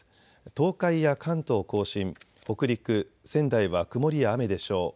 東海や関東甲信、北陸、仙台は曇りや雨でしょう。